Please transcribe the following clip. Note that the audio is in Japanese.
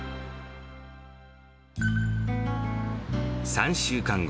３週間後。